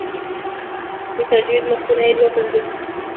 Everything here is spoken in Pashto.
د تجوید مخونه یې دوه پنځوس دي.